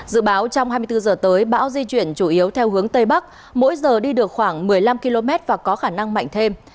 vào lúc hai mươi bốn giờ tới bão di chuyển chủ yếu theo hướng tây bắc mỗi giờ đi được khoảng một mươi năm km và có khả năng mạnh thêm